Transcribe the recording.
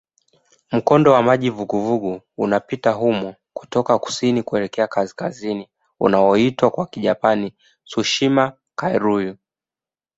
Mkondo wa maji vuguvugu unapita humo kutoka kusini kuelekea kaskazini unaoitwa kwa Kijapani "Tsushima-kairyū".